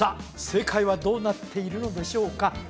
正解はどうなっているのでしょうか？